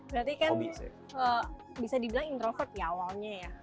berarti kan bisa dibilang introvert ya awalnya ya